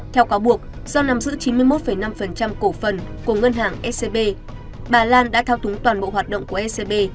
theo cáo buộc do nắm giữ chín mươi một năm cổ phần của ngân hàng scb bà lan đã thao túng toàn bộ hoạt động của ecb